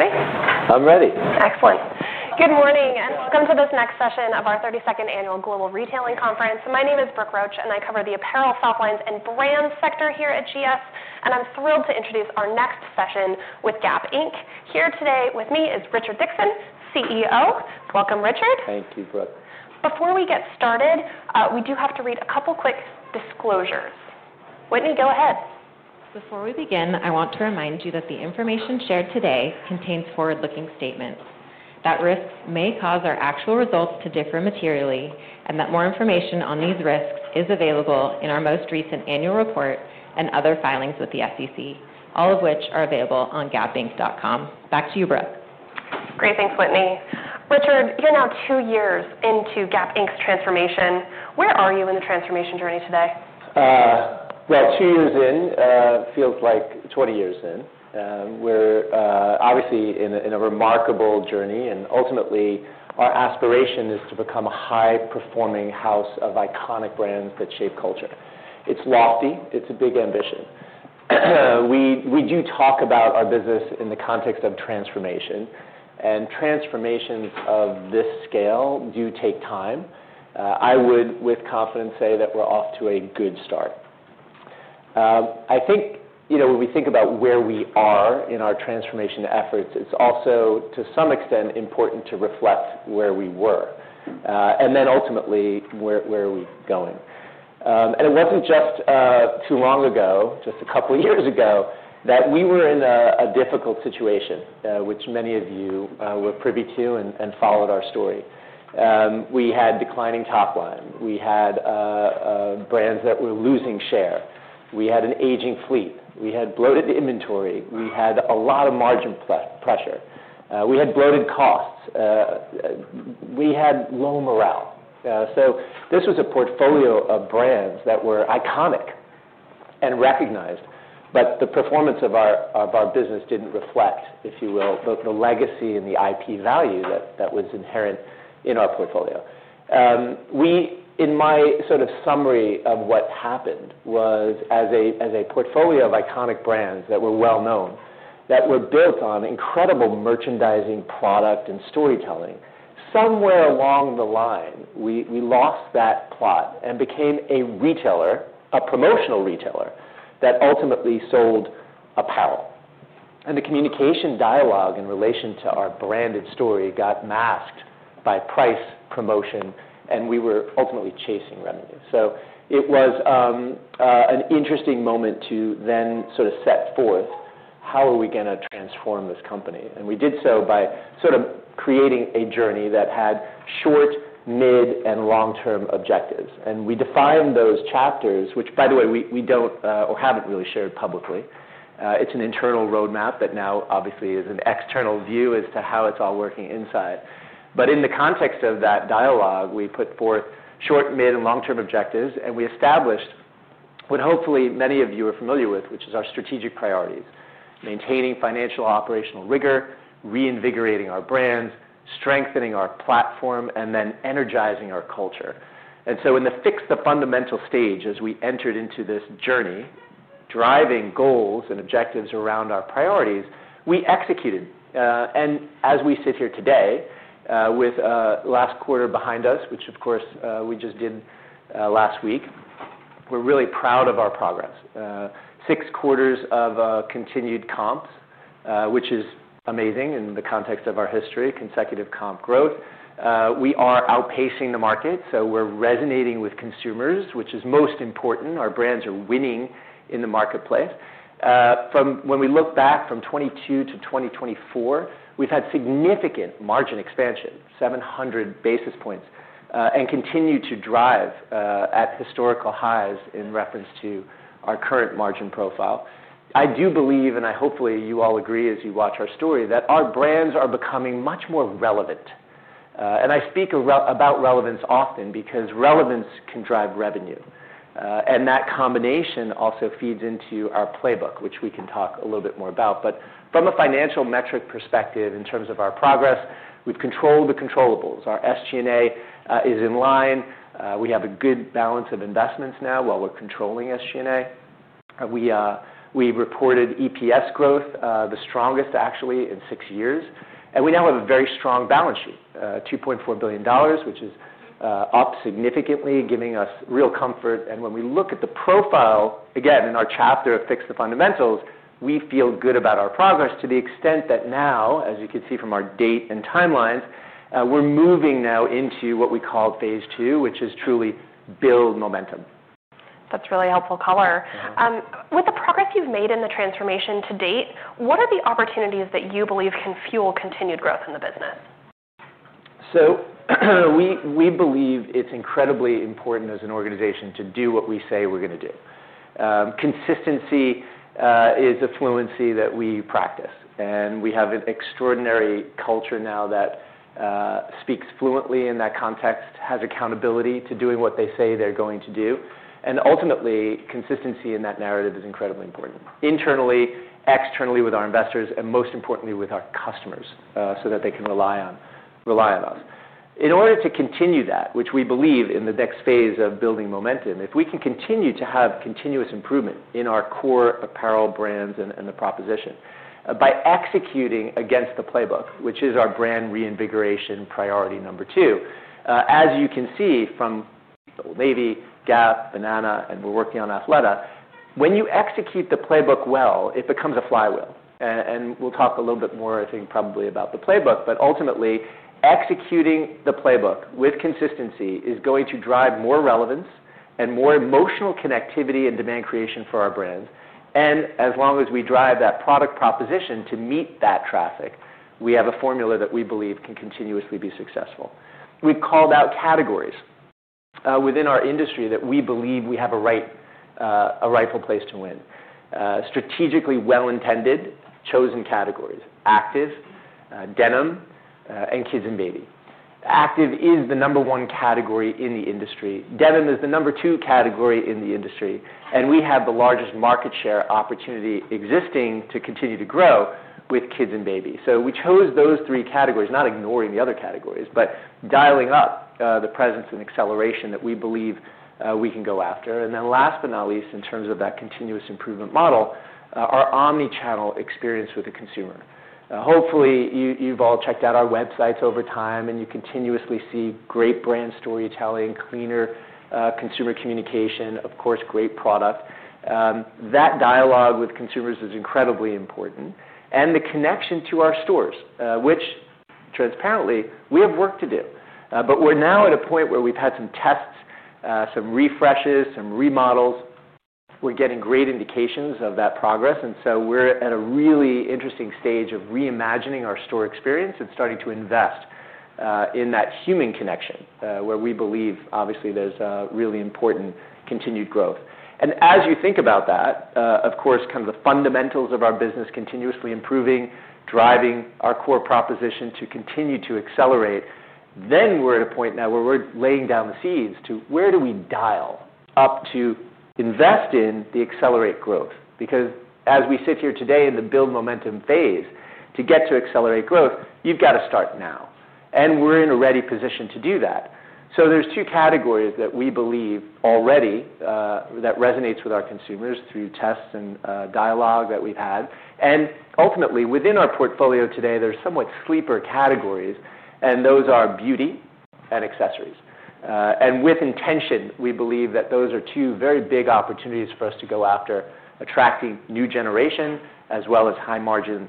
Ready? I'm ready. Excellent. Good morning, and welcome to this next session of our thirty second Annual Global Retailing Conference. My name is Brooke Roche, and I cover the apparel, softlines and brand sector here at GS. And I'm thrilled to introduce our next session with Gap, Inc. Here today with me is Richard Dixon, CEO. Welcome, Richard. Thank you, Brooke. Before we get started, we do have to read a couple of quick disclosures. Whitney, go ahead. Before we begin, I want to remind you that the information shared today contains forward looking statements that risks may cause our actual results to differ materially and that more information on these risks is available in our most recent annual report and other filings with the SEC, all of which are available on gapinc.com. Back to you, Brooke. Great. Thanks, Whitney. Richard, you're now two years into Gap, Inc. Transformation. Where are you in the transformation journey today? Well, two years in, feels like twenty years in. We're obviously in a remarkable journey. And ultimately, our aspiration is to become a high performing house of iconic brands that shape culture. It's lofty. It's a big ambition. We do talk about our business in the context of transformation. And transformations of this scale do take time. I would, with confidence, say that we're off to a good start. I think when we think about where we are in our transformation efforts, it's also to some extent important to reflect where we were and then ultimately where we're going. And it wasn't just too long ago, just a couple of years ago, that we were in a difficult situation, which many of you were privy to and followed our story. We had declining top line. We had brands that were losing share. We had an aging fleet. We had bloated inventory. We had a lot of margin pressure. We had bloated costs. We had low morale. So this was a portfolio of brands that were iconic and recognized, but the performance of business didn't reflect, if you will, both the legacy and the IP value that was inherent in our portfolio. We in my sort of summary of what happened was as portfolio of iconic brands that were well known, that were built on incredible merchandising product and storytelling, somewhere along the line, we lost that plot and became a retailer, a promotional retailer that ultimately sold apparel. And the communication dialogue in relation to our branded story got masked by price promotion and we were ultimately chasing revenue. So it was an interesting moment to then sort of set forth how are we going to transform this company. And we did so by sort of creating a journey that had short, mid and long term objectives. And we defined those chapters, which by the way, we don't or haven't really shared publicly. It's an internal road map that now obviously is an external view as to how it's all working inside. But in the context of that dialogue, we put forth short, mid and long term objectives and we established what hopefully many of you are familiar with, which is our strategic priorities, maintaining financial operational rigor, reinvigorating our brands, strengthening our platform and then energizing our culture. And so in the fix the fundamental stage, as we entered into this journey, driving goals and objectives around our priorities, we executed. And as we sit here today, with last quarter behind us, which of course, we just did last week, we're really proud of our progress. Six quarters of continued comps, which is amazing in the context of our history, consecutive comp growth. We are outpacing the market. So we're resonating with consumers, which is most important. Our brands are winning in the marketplace. From when we look back from 2022 to 2024, we've had significant margin expansion, 700 basis points, and continue to drive at historical highs in reference to our current margin profile. I do believe, and I hopefully you all agree as you watch our story, that our brands are becoming much more relevant. And I speak about relevance often because relevance can drive revenue. And that combination also feeds into our playbook, which we can talk a little bit more about. But from a financial metric perspective in terms of our progress, 've we controlled the controllables. Our SG and A is in line. We have a good balance of investments now while we're controlling SG and A. We reported EPS growth, the strongest actually in six years. And we now have a very strong balance sheet, 2,400,000,000.0, which is up significantly, giving us real comfort. And when we look at the profile, again, in our chapter of Fix the Fundamentals, we feel good about our progress to the extent that now, as you can see from our date and time lines, we're moving now into what we call Phase two, which is truly build momentum. That's really helpful color. With the progress you've made in the transformation to date, what are the opportunities that you believe can fuel continued growth in the business? So we believe it's incredibly important as an organization to do what we say we're going to do. Consistency is a fluency that we practice. And we have an extraordinary culture now that speaks fluently in that context, has accountability to doing what they say they're going to do. And ultimately, in that narrative is incredibly internally, externally with our investors and most importantly with our customers so that they can rely on us. In order to continue that, which we believe in the next phase of building momentum, if we can continue to have continuous improvement in our core apparel brands and the proposition by executing against the playbook, which is our brand reinvigoration priority number two. As you can see from Navy, Gap, Banana and we're working on Athleta, When you execute the playbook well, it becomes a flywheel. And we'll talk a little bit more, I think, probably about the playbook. But ultimately, executing the playbook with consistency is going to drive more relevance and more emotional connectivity and demand creation for our brands. And as long as we drive that product proposition to meet that traffic, we have a formula that we believe can continuously be successful. We called out categories within our industry that we believe we have a rightful place to win. Strategically well intended chosen categories, active, denim and kids and baby. Active is the number one category in the industry. Denim is the number two category in the industry. And we have the largest market share opportunity existing to continue to grow with kids and baby. So we chose those three categories, not ignoring the other categories, but dialing up the presence and acceleration that we believe we can go after. And then last but not least, in terms of that continuous improvement model, our omni channel experience with the consumer. Hopefully, you've all checked out our websites over time and you continuously see great brand storytelling, cleaner consumer communication, of course, great product. That dialogue with consumers is incredibly important. And the connection to our stores, which transparently, we have work to do. But we're now at a point where we've had some tests, some refreshes, some remodels. We're getting great indications of that progress. And so we're at a really interesting stage of reimagining our store experience and starting to invest in that human connection, where we believe, obviously, there's really important continued growth. And as you think about that, of course, kind of the fundamentals of our business continuously improving, driving our core proposition to continue to accelerate, then we're at a point now where we're laying down the seeds to where do we dial up to invest in the accelerate growth. Because as we sit here today in the build momentum phase, to get to accelerate growth, you've got to start now. And we're in a ready position to do that. So there's two categories that we believe already that resonates with our consumers through tests and dialogue that we've had. And ultimately, within our portfolio today, there's somewhat sleeper categories, and those are beauty and accessories. And with intention, we believe that those are two very big opportunities for us to go after attracting new generation as well as high margin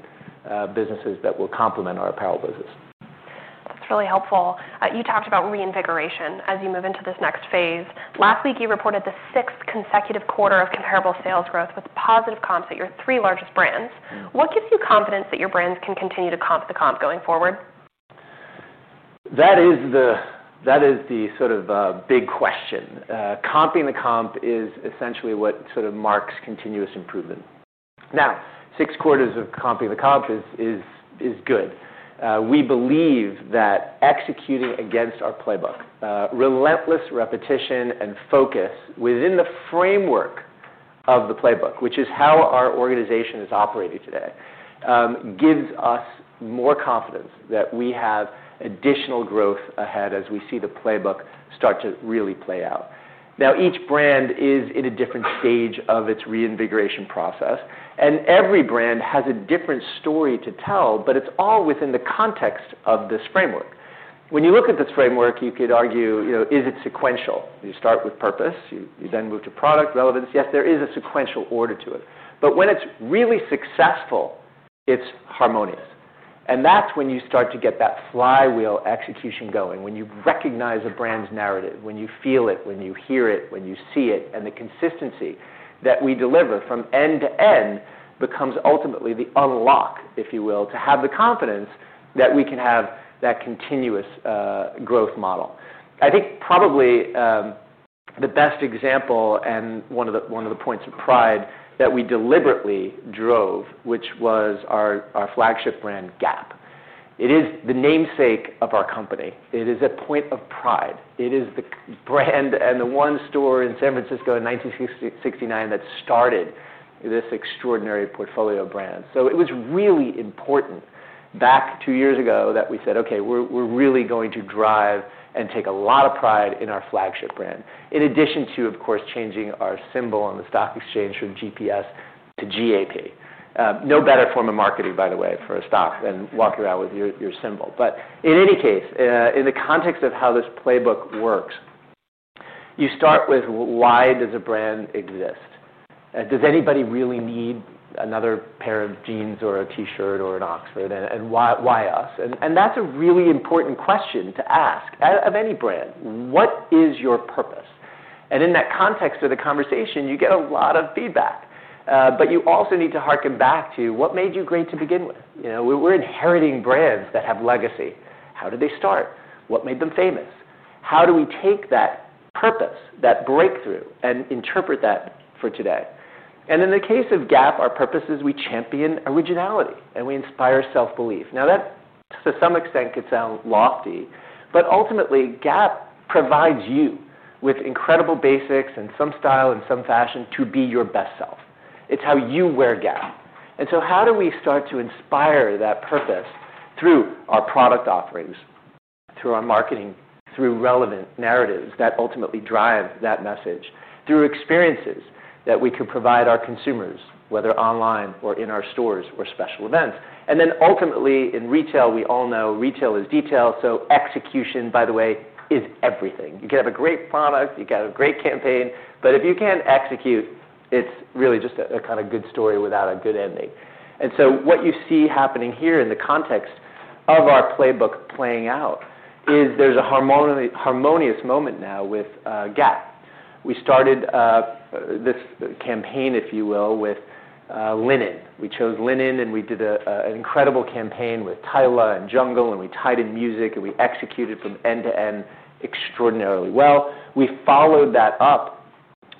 businesses that will complement our apparel business. That's really helpful. You talked about reinvigoration as you move into this next phase. Last week, you reported the sixth consecutive quarter of comparable sales growth with positive comps at your three largest brands. What gives you confidence that your brands can continue to comp the comp going forward? That is the sort of big question. Comping the comp is essentially what sort of marks continuous improvement. Now six quarters of comping the comp is good. We believe that executing against our playbook, relentless repetition and focus within the framework of the playbook, which is how our organization is operating today, gives us more confidence that we have additional growth ahead as we see the playbook start to really play out. Now each brand is in a different stage of its reinvigoration process. And every brand has a different story to tell, but it's all within the context of this framework. When you look at this framework, you could argue, is it sequential? You start with purpose, you then move to product relevance. Yes, there is a sequential order to it. But when it's really successful, it's harmonious. And that's when you start to get that flywheel execution going, when you recognize a brand's narrative, when you feel it, when you hear it, when you see it and the consistency that we deliver from end to end becomes ultimately the unlock, if you will, to have the confidence that we can have that continuous growth model. I think probably the best example and one of the points of pride that we deliberately drove, which was our flagship brand Gap. It is the namesake of our company. It is a point of pride. It is the brand and the one store in San Francisco in 1969 that started this extraordinary portfolio of brands. So it was really important back two years ago that we said, okay, we're really going to drive and take a lot of pride in our flagship brand, in addition to, of course, changing our symbol on the stock exchange from GPS to GAP. No better form of marketing, by the way, for a stock than walking around with your symbol. But in any case, in the context of how this playbook works, you start with why does a brand exist? Does anybody really need another pair of jeans or a T shirt or an Oxford? Why us? And that's a really important question to ask of any brand. What is your purpose? And in that context of the conversation, you get a lot of feedback. But you also need to hearken back to what made you great to begin with. We're inheriting brands that have legacy. How did they start? What made them famous? How do we take that purpose, that breakthrough and interpret that for today? And in the case of Gap, our purpose is we champion originality and we inspire self belief. Now that to some extent could sound lofty, but ultimately Gap provides you with incredible basics and some style and some fashion to be your best self. It's how you wear Gap. And so how do we start to inspire that purpose through our product offerings, through our marketing, through relevant narratives that ultimately drive that message, through experiences that we could provide our consumers, whether online or in our stores or special events. And then ultimately, in retail, we all know retail is detail. So execution, by the way, is everything. You can have a great product, you got a great campaign, but if you can't execute, it's really just a kind of good story without a good ending. And so what you see happening here in the context of our playbook playing out is there's a harmonious moment now with Gap. We started this campaign, if you will, with linen. We chose linen and we did an incredible campaign with Tyla and Jungle and we tied in music and we executed from end to end extraordinarily well. We followed that up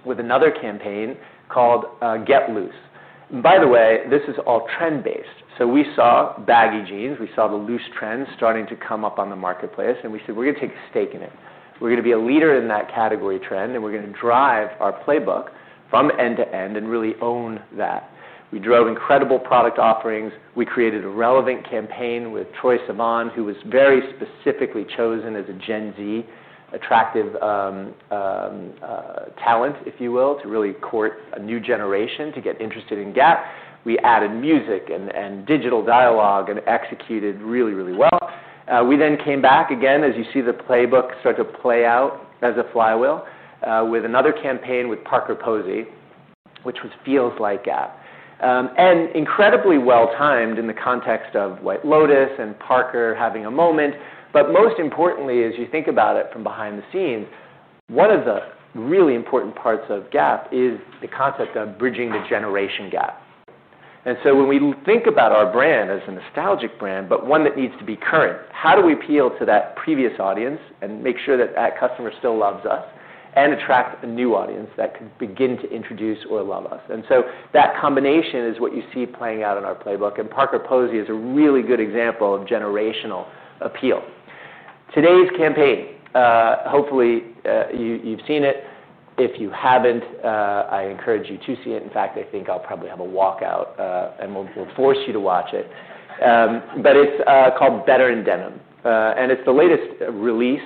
with another campaign called Get Loose. By the way, this is all trend based. So we saw baggy jeans, we saw the loose trends starting to come up on the marketplace, and we said we're going to take a stake in it. We're going to be a leader in that category trend and we're going to drive our playbook from end to end and really own that. We drove incredible product offerings. We created a relevant campaign with Troy Savant, who was very specifically chosen as a Gen Z attractive talent, if you will, to really court a new generation to get interested in Gap. We added music and digital dialogue and executed really, really well. We then came back again, as you see the playbook start to play out as a flywheel with another campaign with Parker Posey, which was feels like Gap. And incredibly well timed in the context of White Lotus and Parker having a moment, but most importantly, you think about it from behind the scenes, one of the really important parts of Gap is the concept of bridging the generation gap. And so when we think about our brand as a nostalgic brand, but one that needs to be current, how do we appeal to that previous audience and make sure that that customer still loves us and attract a new audience that can begin to introduce or love us. And so that combination is what you see playing out in our playbook. And Parker Posey is a really good example of generational appeal. Today's campaign, hopefully, you've seen it. If you haven't, I encourage you to see it. In fact, I think I'll probably have a walkout and we'll force you to watch it. But it's called Better in Denim. And it's the latest release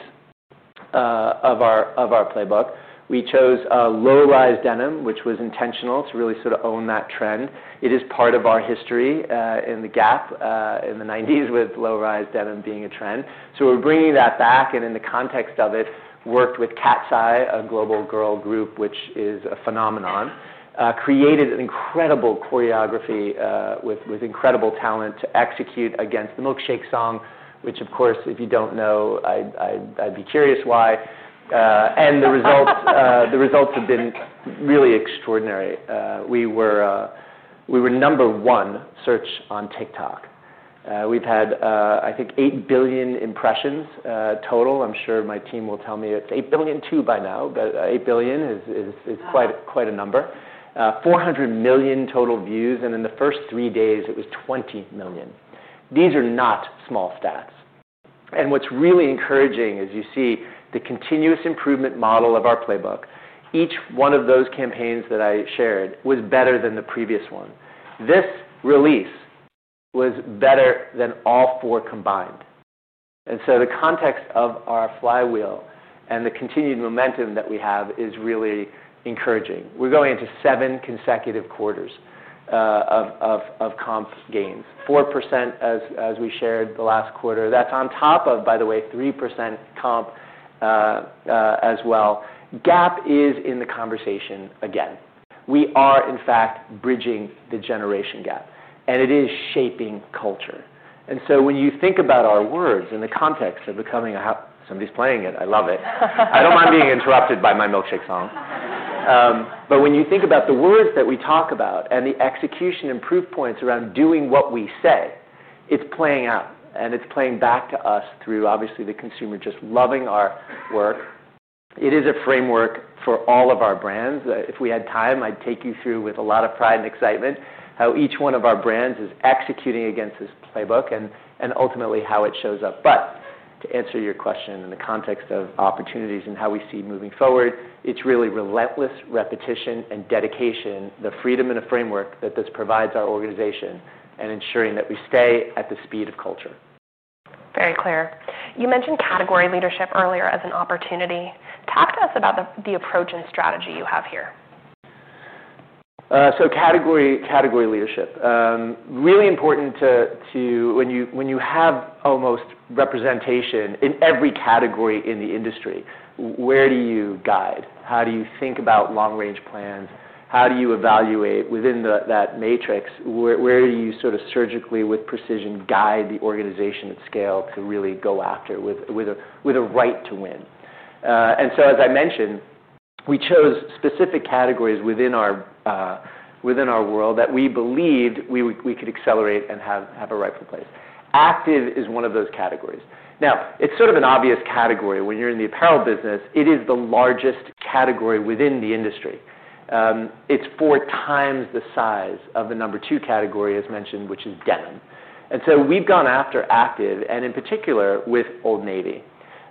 of our playbook. We chose low rise denim, which was intentional to really sort of own that trend. It is part of our history in the Gap in the 90s with low rise denim being a trend. So we're bringing that back and in the context of it, worked with Cat's Eye, a global girl group, which is a phenomenon, created an incredible choreography with incredible talent to execute against the Milkshake song, which of course, if you don't know, I'd be curious why. And the results have been really extraordinary. We were number one search on TikTok. We've had, I think, billion impressions total. I'm sure my team will tell me it's 8,000,000,000 by now, but 8,000,000,000 is quite a number. 400,000,000 total views. And in the first three days, it was 20,000,000. These are not small stats. And what's really encouraging is you see the continuous improvement model of our playbook. Each one of those campaigns that I shared was better than the previous one. This release was better than all four combined. And so the context of our flywheel and the continued momentum that we have is really encouraging. We're going into seven consecutive quarters of comp gains, 4% as we shared the last quarter. That's on top of, by the way, 3% comp as well. Gap is in the conversation again. We are in fact bridging the generation gap, and it is shaping culture. And so when you think about our words in the context of becoming a somebody is playing it. I love it. I don't mind being interrupted by my milkshake song. But when you think about the words that we talk about and the execution and proof points around doing what we say, it's playing out and it's playing back to us through obviously the consumer just loving our work. It is a framework for all of our brands. If we had time, I'd take you through with a lot of pride and excitement how each one of our brands is executing against this playbook and ultimately, it shows up. But to answer your question in the context of opportunities and how we see moving forward, it's really relentless repetition and dedication, the freedom and the framework that this provides our organization and ensuring that we stay at the speed of culture. Very clear. You mentioned category leadership earlier as an opportunity. Talk to us about the approach and strategy you have here. So category leadership, really important to when you have almost representation in every category in the industry, where do you guide? How do you think about long range plans? How do you evaluate within that matrix? Where do you sort of surgically with precision guide the organization at scale to really go after with a right to win? And so as I mentioned, we chose specific categories within our world that we believed we could accelerate and have a rightful place. Active is one of those categories. Now it's sort of an obvious category. When you're in the apparel business, it is the largest category within the industry. It's four times the size of the number two category, as mentioned, which is denim. And so we've gone after active and in particular with Old Navy.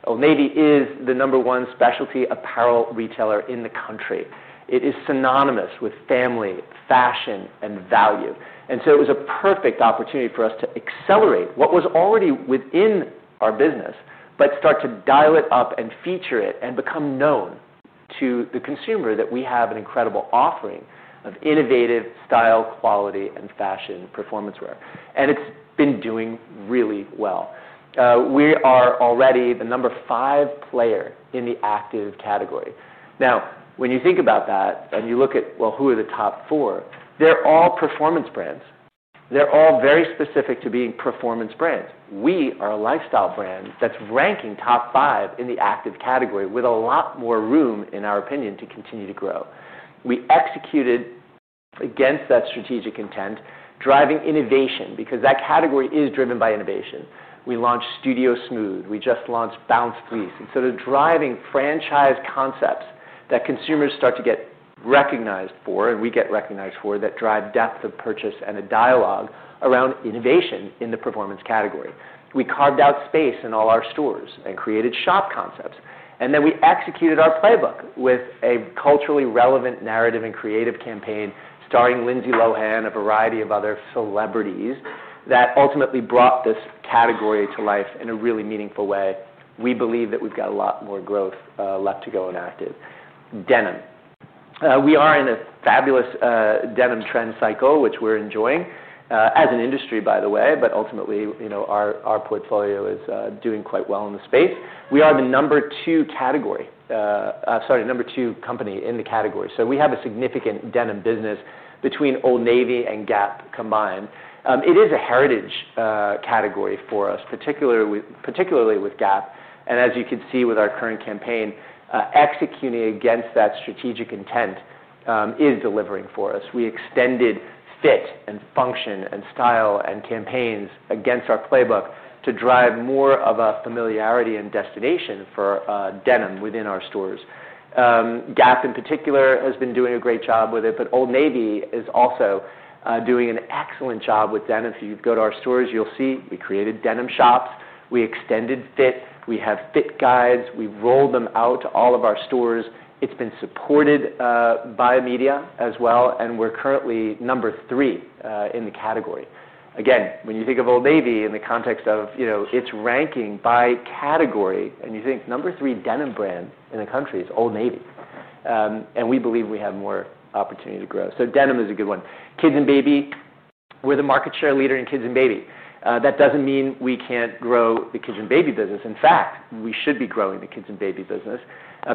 Old Navy is the number one specialty apparel retailer in the country. It is synonymous with family, fashion and value. And so it was a perfect opportunity for us to accelerate what was already within our business, but start to dial it up and feature it and become known to the consumer that we have an incredible offering of innovative style, quality and fashion performance wear. And it's been doing really well. We are already the number five player in the active category. Now when you think about that and you look at, well, who are the top four, they're all performance brands. They're all very specific to being performance brands. We are a lifestyle brand that's ranking top five in the active category with a lot more room, in our opinion, to continue to grow. We executed against that strategic intent, driving innovation because that category is driven by innovation. We launched Studio Smooth. We just launched Bounce Fleece. So they're driving franchise concepts that consumers start to get recognized for and we get recognized for that drive depth of purchase and a dialogue around innovation in the performance category. We carved out space in all our stores and created shop concepts. And then we executed our playbook with a culturally relevant narrative and creative campaign starring Lindsay Lohan, a variety of other celebrities that ultimately brought this category to life in a really meaningful way. We believe that we've got a lot more growth left to go in Active. Denim. We are in a fabulous denim trend cycle, which we're enjoying as an industry, by the way, but ultimately, portfolio is doing quite well in the space. We are the number two category sorry, number two company in the category. So we have a significant denim business between Old Navy and Gap combined. It is a heritage category for us, particularly with Gap. And as you can see with our current campaign, executing against that strategic intent is delivering for us. We extended fit and function and style and campaigns against our playbook to drive more of a familiarity and destination for denim within our stores. Gap, in particular, has been doing a great job with it, but Old Navy is also doing an excellent job with denim. If you go to our stores, you'll see we created denim shops. We extended fit. We have fit guides. We've rolled them out to all of our stores. It's been supported by media as well, and we're currently number three in the category. Again, when you think of Old Navy in the context of its ranking by category and you think number three denim brand in the country is Old Navy. And we believe we have more opportunity to grow. So denim is a good one. Kids and baby, we're the market share leader in kids and baby. That doesn't mean we can't grow the kids and baby business. In fact, we should be growing the kids and baby business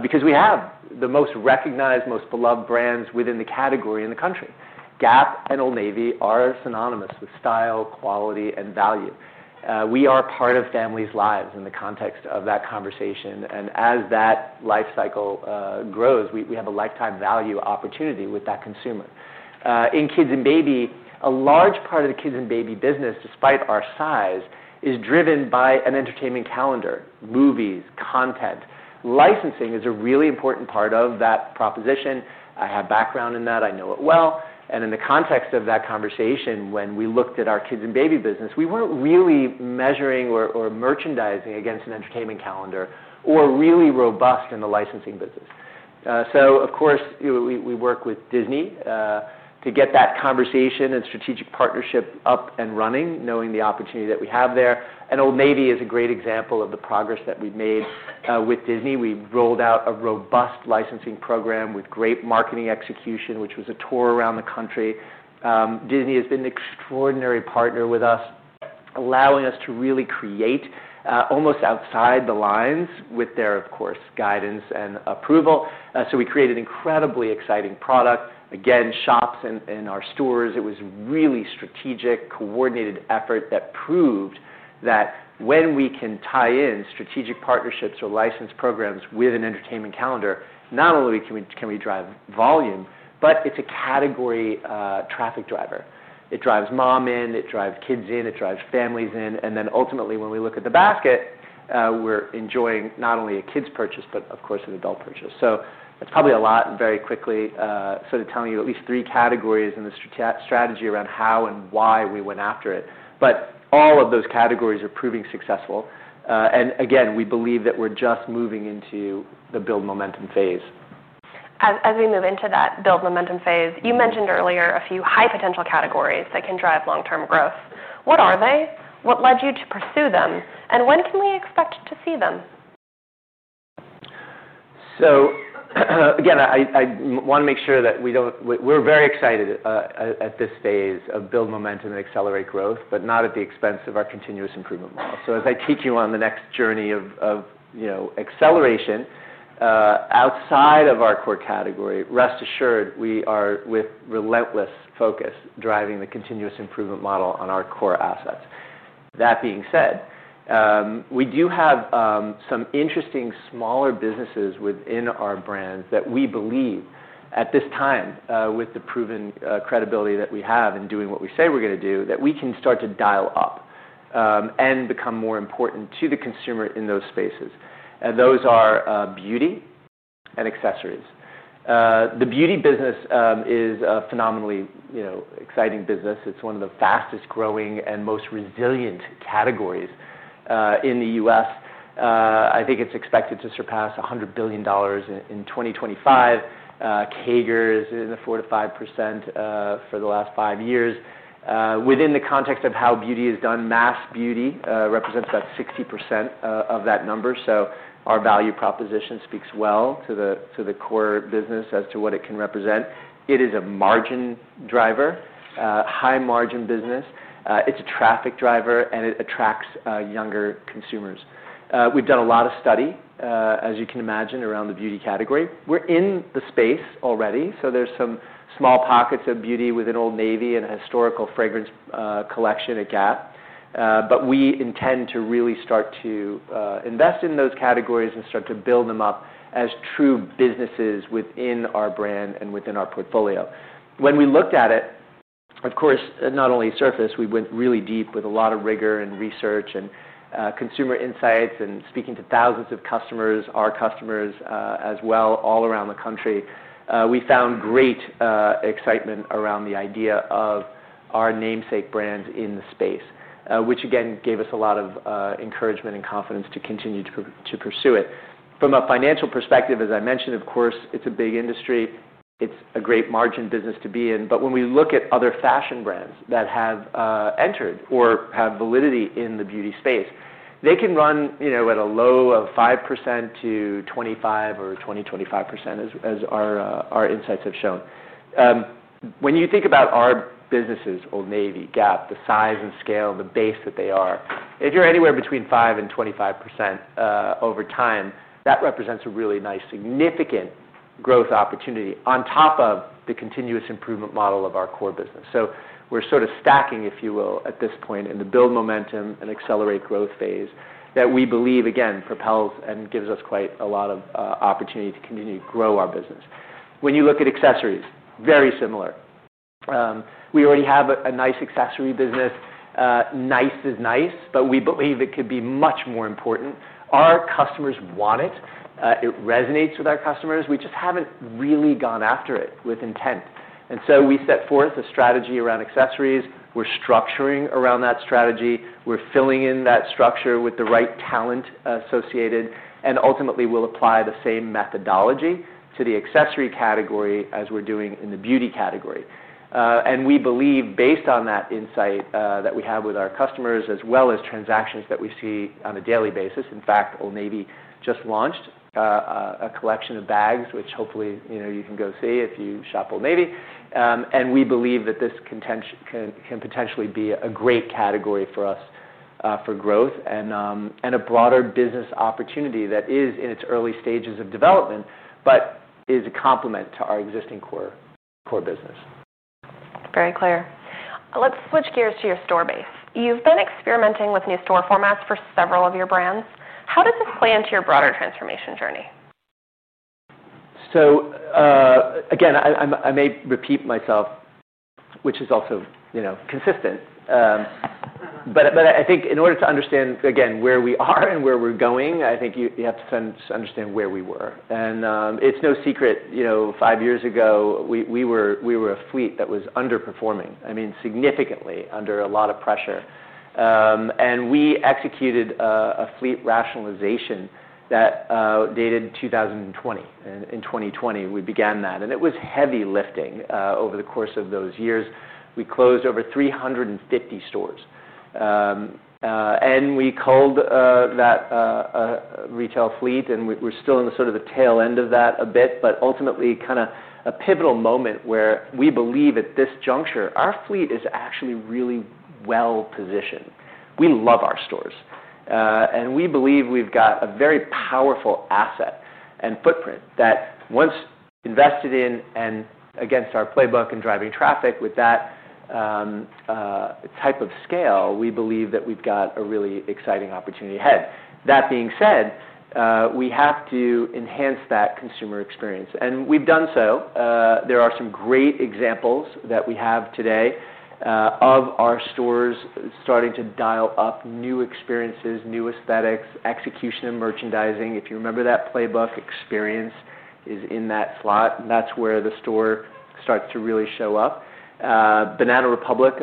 because we have the most recognized, most beloved brands within the category in the country. Gap and Old Navy are synonymous with style, quality and value. We are part of families' lives in the context of that conversation. And as that life cycle grows, we have a lifetime value opportunity with that consumer. In kids and baby, a large part of the kids and baby business, despite our size, is driven by an entertainment calendar, movies, content. Licensing is a really important part of that proposition. I have background in that. I know it well. And in the context of that conversation, when we looked at our kids and baby business, we weren't really measuring or merchandising against an entertainment calendar or really robust in the licensing business. So of course, we work with Disney to get that conversation and strategic partnership up and running, knowing the opportunity that we have there. And Old Navy is a great example of the progress that we've made with Disney. We've rolled out a robust licensing program with great marketing execution, which was a tour around the country. Disney has been an extraordinary partner with us, allowing us to really create almost outside the lines with their, of course, guidance and approval. So we created incredibly exciting product. Again, shops in our stores, it was really strategic coordinated effort that proved that when we can tie in strategic partnerships or license programs with an entertainment calendar, not only can we drive volume, but it's a category traffic driver. It drives mom in, it drives kids in, it drives families in. And then ultimately, when we look at the basket, we're enjoying not only a kids purchase, but of course, an adult purchase. So it's probably a lot, very quickly sort of telling you at least three categories and the strategy around how and why we went after it. But all of those categories are proving successful. And again, we believe that we're just moving into the build momentum phase. As we move into that build momentum phase, you mentioned earlier a few high potential categories that can drive long term growth. What are they? What led you to pursue them? And when can we expect to see them? So again, I want to make sure that we don't we're very excited at this phase of build momentum and accelerate growth, but not at the expense of our continuous improvement model. So as I teach you on the next journey of acceleration outside of our core category, rest assured, we are with relentless focus driving the continuous improvement model on our core assets. That being said, we do have some interesting smaller businesses within our brands that we believe at this time with the proven credibility that we have in doing what we say we're going to do, that we can start to dial up and become more important to the consumer in those spaces. And those are beauty and accessories. The beauty business is a phenomenally exciting business. It's one of the fastest growing and most resilient categories in The U. S. I think it's expected to surpass $100,000,000,000 in 2025. CAGRs in the 4% to 5% for the last five years. Within the context of how beauty is done, mass beauty represents about 60% of that number. So our value proposition speaks well to the core business as to what it can represent. It is a margin driver, high margin business. It's a traffic driver and it attracts younger consumers. We've done a lot of study, as you can imagine, around the beauty category. We're in the space already. So there's some small pockets of beauty within Old Navy and historical fragrance collection at Gap. But we intend to really start to invest in those categories and start to build them up as true businesses within our brand and within our portfolio. When we looked at it, of course, not only surface, we went really deep with a lot of rigor and research and consumer insights and speaking to thousands of customers, our customers as well all around the country. We found great excitement around the idea of our namesake brands in the space, which again gave us a lot of encouragement and confidence to continue to pursue it. From a financial perspective, as I mentioned, of course, it's a big industry. It's a great margin business to be in. But when we look at other fashion brands that have entered or have validity in the beauty space, they can run at a low of 5% to 25% or 20%, 25% as our insights have shown. When you think about our businesses, Old Navy, Gap, the size and scale and the base that they are, if you're anywhere between 525% over time, that represents a really nice significant growth opportunity on top of the continuous improvement model of our core business. So we're sort of stacking, if you will, at this point in the build momentum and accelerate growth phase that we believe, again, propels and gives us quite a lot of opportunity to continue to grow our business. When you look at accessories, very similar. We already have a nice accessory business. Nice is nice, but we believe it could be much more important. Our customers want it. It resonates with our customers. We just haven't really gone after it with intent. And so we set forth a strategy around accessories. We're structuring around that strategy. We're filling in that structure with the right talent associated. And ultimately, we'll apply the same methodology to the accessory category as we're doing in the beauty category. And we believe based on that insight that we have with our customers as well as transactions that we see on a daily basis, in fact, Old Navy just launched a collection of bags, which hopefully you can go see if you shop Old Navy. And we believe that this can potentially be a great category for us for growth and a broader business opportunity that is in its early stages of development, but is a complement to our existing core business. Very clear. Let's switch gears to your store base. You've been experimenting with new store formats for several of your brands. How does this play into your broader transformation journey? So again, I may repeat myself, which is also consistent. But I think in order to understand, again, where we are and where we're going, I think you have to understand where we were. And it's no secret, five years ago, we were a fleet that was underperforming, I mean significantly under a lot of pressure. And we executed a fleet rationalization that dated 2020. In 2020, we began that. And it was heavy lifting over the course of those years. We closed over three fifty stores. And we called that retail fleet and we're still in the sort of the tail end of that a bit, but ultimately kind of a pivotal moment where we believe at this juncture, our fleet is actually really well positioned. We love our stores. And we believe we've got a very powerful asset and footprint that once invested in and against our playbook and driving traffic with that type of scale, we believe that we've got a really exciting opportunity ahead. That being said, we have to enhance that consumer experience. And we've done so. There are some great examples that we have today of our stores starting to dial up new experiences, new aesthetics, execution and merchandising. If you remember that Playbook experience is in that slot, that's where the store starts to really show up. Banana Republic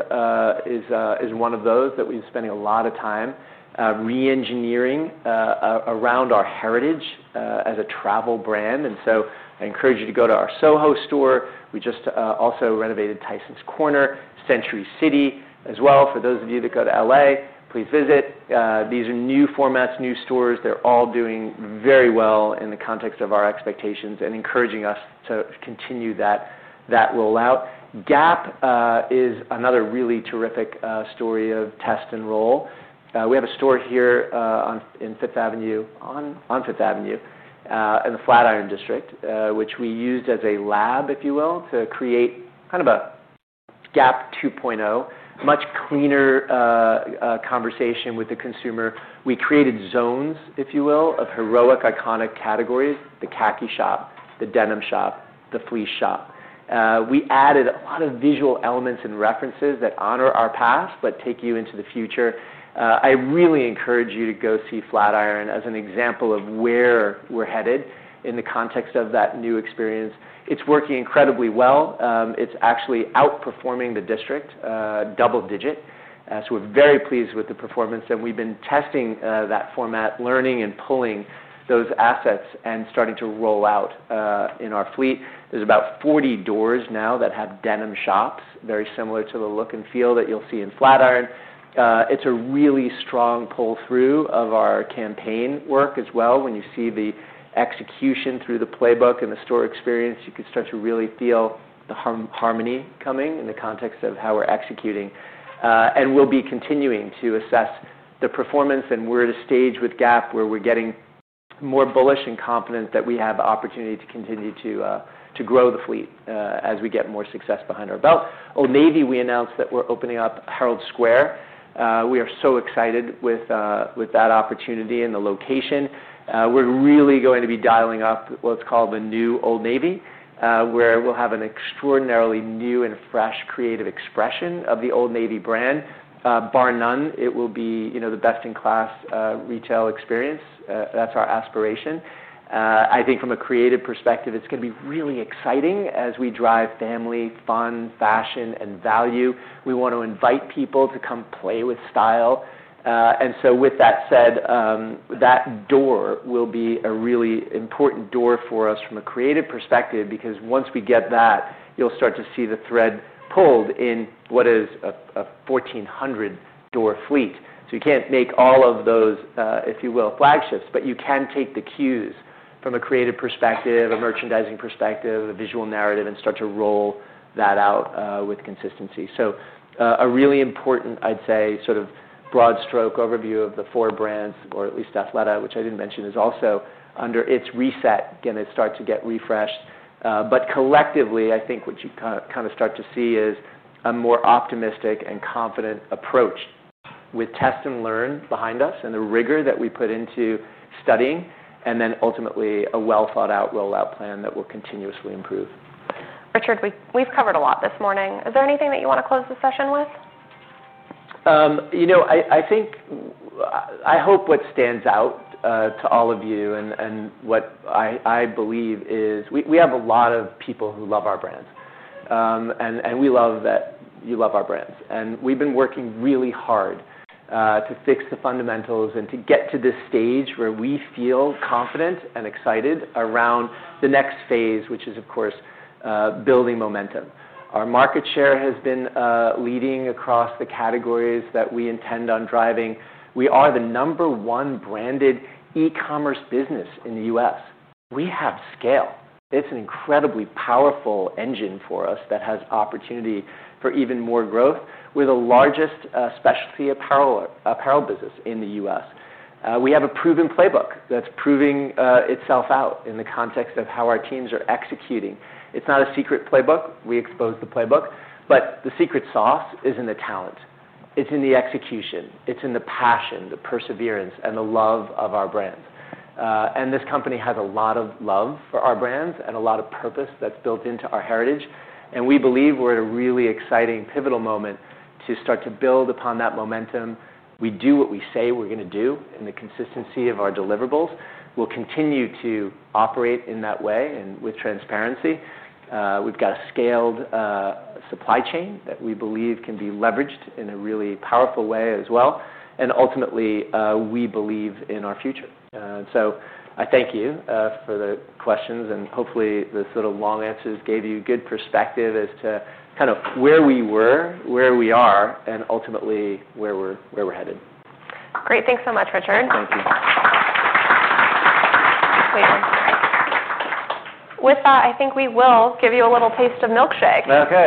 is one of those that we've been spending a lot of time reengineering around our heritage as a travel brand. And so I encourage you to go to our SoHo store. We just also renovated Tysons Corner, Century City as well. For those of you that go to L. A, please visit. These are new formats, new stores. They're all doing very well in the context of our expectations and encouraging us to continue that rollout. Gap is another really terrific story of test and roll. We have a store here in Fifth Avenue on Fifth Avenue in the Flatiron District, which we used as a lab, if you will, to create kind of a Gap two point zero, much cleaner conversation with the consumer. We created zones, if you will, of heroic iconic categories, the khaki shop, the denim shop, the fleece shop. We added a lot of visual elements and references that honor our past, but take you into the future. I really encourage you to go see Flatiron as an example of where we're headed in the context of that new experience. It's working incredibly well. It's actually outperforming the district double digit. So we're very pleased with the performance, and we've been testing that format, learning and pulling those assets and starting to roll out in our fleet. There's about 40 doors now that have denim shops, very similar to the look and feel that you'll see in Flatiron. It's a really strong pull through of our campaign work as well. When you see the execution through the playbook and the store experience, you can start to really feel the harmony coming in the context of how we're executing. And we'll be continuing to assess the performance, and we're at a stage with Gap where we're getting more bullish and confident that we have opportunity to continue to grow the fleet as we get more success behind our belt. Old Navy, we announced that we're opening up Herald Square. We are so excited with that opportunity and the location. We're really going to be dialing up what's called the new Old Navy, where we'll have an extraordinarily new and fresh creative expression of the Old Navy brand. Bar none, it will be the best in class retail experience. That's our aspiration. I think from a creative perspective, it's going to be really exciting as we drive family, fun, fashion and value. We want to invite people to come play with style. And so with that said, that door will be a really important door for us from a creative perspective because once we get that, you'll start to see the thread pulled in what is a 1,400 door fleet. So you can't make all of those, if you will, flagships, but you can take the cues from a creative perspective, a merchandising perspective, a visual narrative and start to roll that out with consistency. So a really important, I'd say, sort of broad stroke overview of the four brands or at least Athleta, which I didn't mention, is also under its reset going to start to get refreshed. But collectively, I think what you kind of start to see is a more optimistic and confident approach with test and learn behind us and the rigor that we put into studying and then ultimately, a well thought out rollout plan that will continuously improve. Richard, we've covered a lot this morning. Is there anything that you want to close the session with? I think I hope what stands out to all of you and what I believe is we have a lot of people who love our brands. And we love that you love our brands. And we've been working really hard to fix the fundamentals and to get to this stage where we feel confident and excited around the next phase, which is, of course, building momentum. Our market share has been leading across the categories that we intend on driving. We are the number one branded e commerce business in The U. S. We have scale. It's an incredibly powerful engine for us that has opportunity for even more growth. We're the largest specialty apparel business in The U. S. We have a proven playbook that's proving itself out in the context of how our teams executing. It's not a secret playbook. We expose the playbook. But the secret sauce is in the talent. It's in the execution. It's in the passion, the perseverance and the love of our brands. And this company has a lot of love for our brands and a lot of purpose that's built into our heritage. And we believe we're at a really exciting pivotal moment to start to build upon that momentum. We do what we say we're going to do in the consistency of our deliverables. We'll continue to operate in that way and with transparency. We've got a scaled supply chain that we believe can be leveraged in a really powerful way as well. And ultimately, we believe in our future. So I thank you for the questions. And hopefully, the sort of long answers gave you a good perspective as to kind of where we were, where we are and ultimately where we're headed. Great. Thanks so much, Richard. Thank you. With that, I think we will give you a little taste of milkshake. Okay.